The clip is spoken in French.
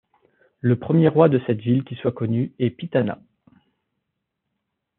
Le premier roi de cette ville qui soit connu est Pithana.